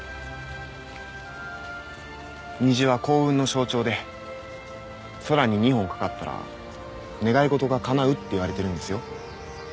虹は幸運の象徴で空に２本架かったら願い事がかなうっていわれてるんですよ。